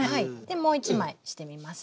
もう一枚してみますね。